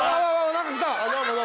何か来た！